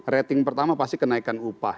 rating pertama pasti kenaikan upah